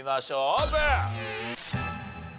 オープン！